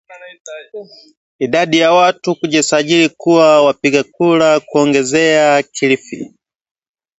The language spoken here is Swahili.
Idadi ya watu kujisajili kuwa wapiga kura kuongezea kilifi